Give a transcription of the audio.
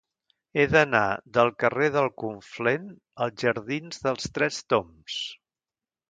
He d'anar del carrer del Conflent als jardins dels Tres Tombs.